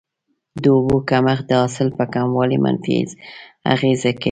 د اوبو کمښت د حاصل په کموالي منفي اغیزه کوي.